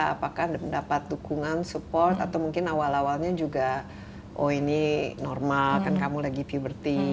apakah mendapat dukungan support atau mungkin awal awalnya juga oh ini normal kan kamu lagi puberty